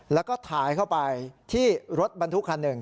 แล้วก็ถ่ายเข้าไปที่รถบรรทุกคันหนึ่ง